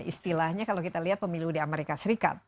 istilahnya kalau kita lihat pemilu di amerika serikat